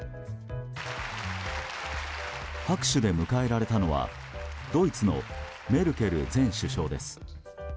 拍手で迎えられたのはドイツのメルケル前首相です。